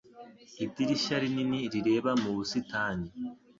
Idirishya rinini rireba mu busitani.